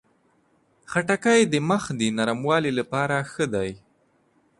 خټکی د مخ د نرموالي لپاره ښه دی.